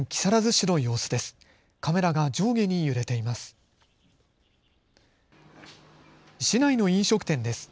市内の飲食店です。